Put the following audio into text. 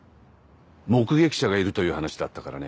目撃者がいるという話だったからね。